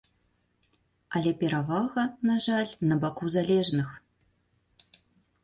Але перавага, на жаль, на баку залежных.